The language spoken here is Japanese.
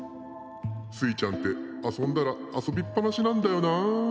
「スイちゃんってあそんだらあそびっぱなしなんだよなあ」。